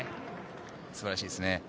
素晴らしいですね。